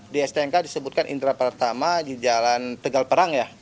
di stnk disebutkan indera pertama di jalan tegal perang ya